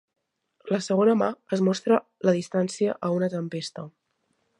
La segona mà es mostra la distància a una tempesta.